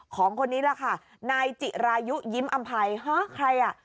ของคนนี้แหละค่ะนายจิรายุยิ้มอำภัยฮะใครอ่ะ